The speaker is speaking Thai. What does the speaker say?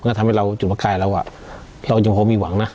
ก็ทำให้เราจุดประกายเราเรายังพอมีหวังนะ